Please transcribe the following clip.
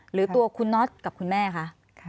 หรือตัวคุณน็อตกับคุณแม่คะ